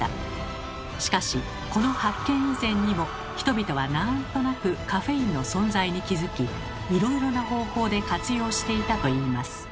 しかしこの発見以前にも人々はなんとなくカフェインの存在に気づきいろいろな方法で活用していたといいます。